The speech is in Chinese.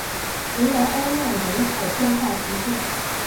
维莱欧讷人口变化图示